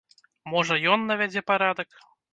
Можа, ён навядзе парадак.